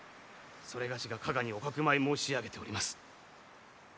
それがしが加賀におかくまい申し上げております。